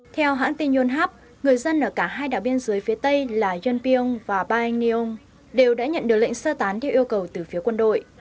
theo hãng tin yonhap người dân ở cả hai đảo biên giới phía tây là yonpyong và baheniong đều đã nhận được lệnh sơ tán theo yêu cầu từ phía quân đội